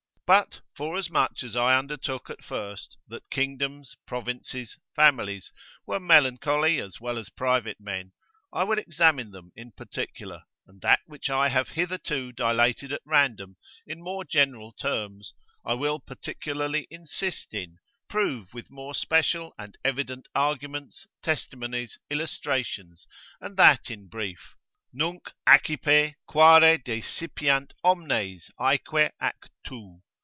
But forasmuch as I undertook at first, that kingdoms, provinces, families, were melancholy as well as private men, I will examine them in particular, and that which I have hitherto dilated at random, in more general terms, I will particularly insist in, prove with more special and evident arguments, testimonies, illustrations, and that in brief. Nunc accipe quare desipiant omnes aeque ac tu.